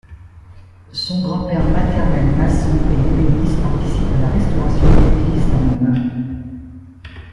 Son grand père maternel, maçon et ébéniste, participe à la restauration d'églises dans l'Ain.